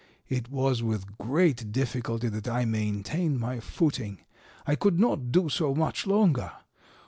It was with great difficulty that I maintained my footing. I could not do so much longer.